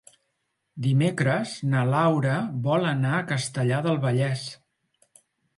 Dimecres na Laura vol anar a Castellar del Vallès.